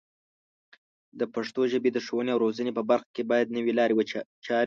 د پښتو ژبې د ښوونې او روزنې په برخه کې باید نوې لارې چارې